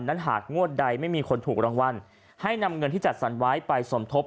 นั้นหากงวดใดไม่มีคนถูกรางวัลให้นำเงินที่จัดสรรไว้ไปสมทบ